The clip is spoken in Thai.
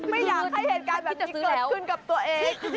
ไม่อยากให้เหตุการณ์แบบนี้เกิดขึ้นกับตัวเอง